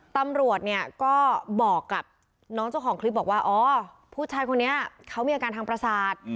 ตำรวจเนี่ยก็บอกกับน้องเจ้าของคลิปบอกว่าอ๋อผู้ชายคนนี้เขามีอาการทางประสาท